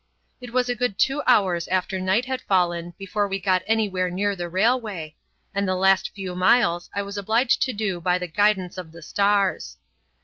It was a good two hours after night had fallen before we got anywhere near the railway, and the last few miles I was obliged to do by the guidance of the stars.